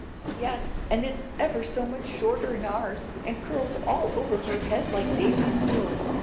"Yes, and it's ever so much shorter 'n' ours, and curls all over her head like Daisy's wool.